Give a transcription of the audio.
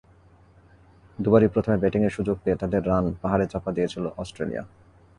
দুবারই প্রথমে ব্যাটিংয়ের সুযোগ পেয়ে তাদের রান পাহাড়ে চাপা দিয়েছিল অস্ট্রেলিয়া।